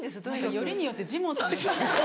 よりによってジモンさん。